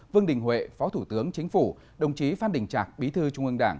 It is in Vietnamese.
vương đình huệ phó thủ tướng chính phủ đồng chí phan đình trạc bí thư trung ương đảng